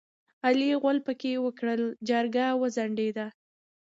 علي غول پکې وکړ؛ جرګه وځنډېده.